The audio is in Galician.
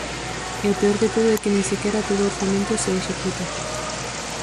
E o peor de todo é que nin sequera todo o orzamento se executa.